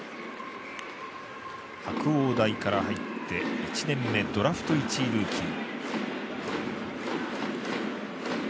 白鴎大から入って１年目ドラフト１位ルーキー。